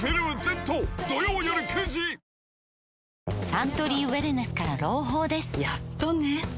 サントリーウエルネスから朗報ですやっとね